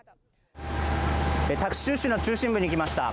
タク州市の中心部に来ました。